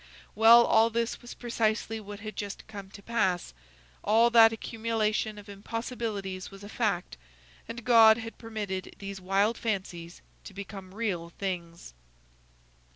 Well, all this was precisely what had just come to pass; all that accumulation of impossibilities was a fact, and God had permitted these wild fancies to become real things!